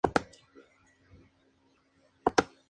Eloxochitlán está ubicado al sureste del estado.